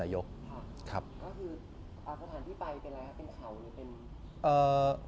สถานที่ไปเป็นอะไรครับเป็นเขาหรือเป็น